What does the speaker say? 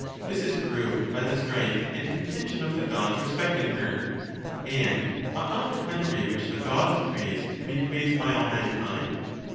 This is proved by the strife and contention of the Gods respecting her. And ought not the country which the Gods praise to be praised by all mankind?